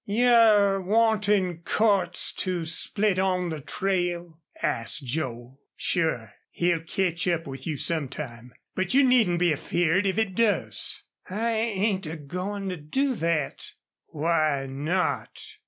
"You're wantin' Cordts to split on the trail?" asked Joel. "Sure. He'll ketch up with you sometime. But you needn't be afeared if he does." "I ain't a goin' to do thet." "Why not?"